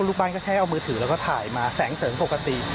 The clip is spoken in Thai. ลูกบ้านก็ใช้เอามือถือแล้วก็ถ่ายมาแสงเสริงปกติ